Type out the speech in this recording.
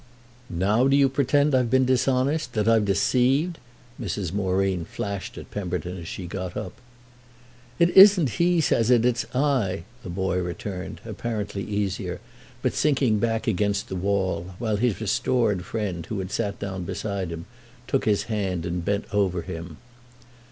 "Now do you pretend I've been dishonest, that I've deceived?" Mrs. Moreen flashed at Pemberton as she got up. "It isn't he says it, it's I!" the boy returned, apparently easier, but sinking back against the wall; while his restored friend, who had sat down beside him, took his hand and bent over him.